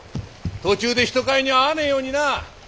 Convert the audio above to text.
途中で人買いにあわねえようにな。